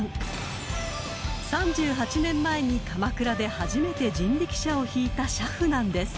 ［３８年前に鎌倉で初めて人力車を引いた車夫なんです］